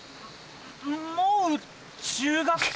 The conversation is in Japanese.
「もう中学生」？